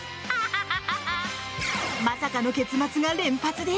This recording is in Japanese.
まさかの結末が連発です！